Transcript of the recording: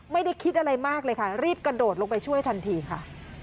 ไม่ได้คิดอะไรมากเลยค่ะรีบกระโดดลงไปช่วยทันทีค่ะ